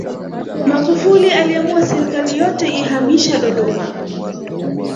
magufuli aliamua serikali yote ihamisha dodoma